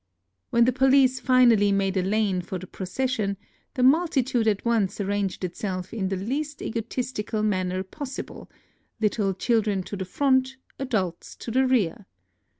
When the police finally made a lane for the pro cession, the multitude at once arranged itself in the least egotistical manner possible, — little children to the front, adults to the rear.